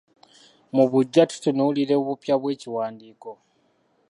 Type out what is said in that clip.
Mu buggya tutunuulira obupya bw’ekiwandiiko